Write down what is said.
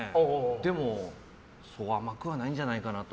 でもそう甘くはないんじゃないかと。